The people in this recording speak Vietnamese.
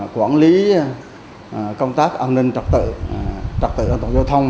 quản lý công tác an ninh trật tự trật tự an toàn giao thông